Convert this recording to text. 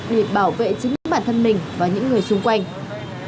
để bảo vệ chính bản thân mình và những người xung quanh